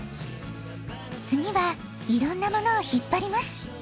つぎはいろんなものをひっぱります。